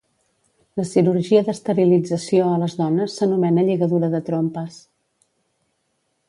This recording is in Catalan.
La cirurgia d'esterilització a les dones s'anomena lligadura de trompes